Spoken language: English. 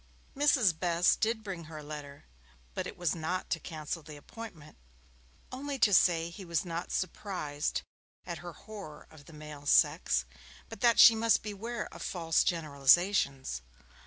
Mrs. Best did bring her a letter, but it was not to cancel the appointment, only to say he was not surprised at her horror of the male sex, but that she must beware of false generalizations.